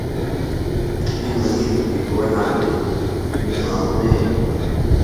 تی منِیتوۡ کیۡ کو یھاندے، می ماموۡ نئے